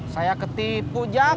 saya ketipu jak